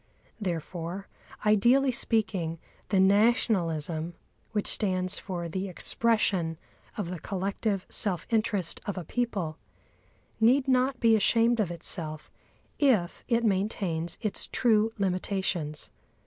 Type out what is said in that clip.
Therefore, ideally speaking, the nationalism, which stands for the expression of the collective self interest of a people, need not be ashamed of itself if it maintains its true limitations.